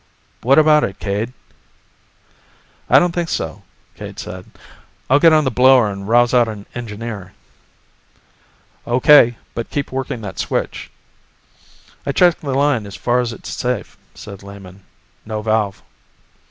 "What about it, Cade?" "I don't think so," Cade said. "I'll get on the blower and rouse out an engineer." "O.K., but keep working that switch." "I checked the line as far as it's safe," said Lehman. "No valve."